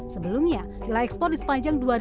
sebelumnya nilai ekspor batik di negara negara